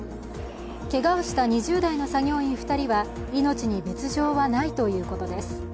けがをした２０代の作業員２人は命に別状はないということです。